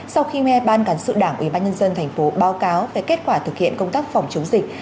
sau khi mê ban cán sự đảng ubnd thành phố báo cáo về kết quả thực hiện công tác phòng chống dịch